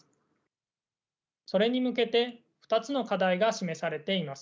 それに向けて２つの課題が示されています。